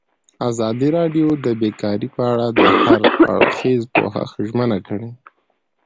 ازادي راډیو د بیکاري په اړه د هر اړخیز پوښښ ژمنه کړې.